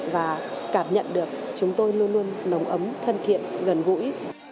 và cảm nhận được chúng tôi luôn luôn nồng ấm thân thiện gần gũi